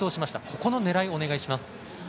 ここの狙いをお願いします。